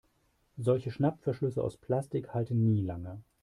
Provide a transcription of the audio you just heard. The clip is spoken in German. Solche Schnappverschlüsse aus Plastik halten nie lange.